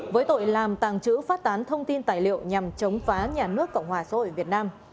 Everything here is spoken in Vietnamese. với tội làm tàng trữ phát tán thông tin tài liệu nhằm chống phá nhà nước cộng hòa xã hội việt nam